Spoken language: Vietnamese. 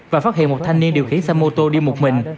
và phát hiện một thanh niên điều khiển xe mô tô đi một mình